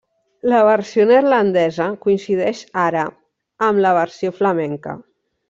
La versió neerlandesa coincideix ara amb la versió flamenca.